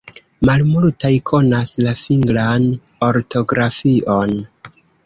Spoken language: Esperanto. Malmultaj konas la fingran ortografion.